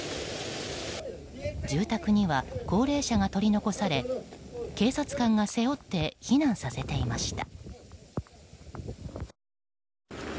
住宅には高齢者が取り残され警察官が背負って避難させていました。